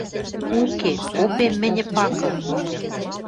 — Уке! Попем мӹньӹ пакы